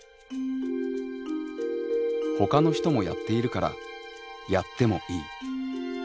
「ほかの人もやっているからやってもいい」。